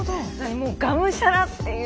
がむしゃらっていう。